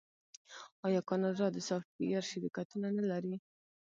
آیا کاناډا د سافټویر شرکتونه نلري؟